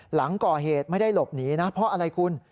หลังก่อเหตุไม่ได้หลบหนีนะเพราะอะไรคุณ